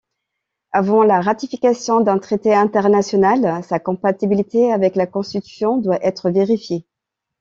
Avant la ratification d'un traité internationale, sa compatibilité avec la constitution doit être vérifiée.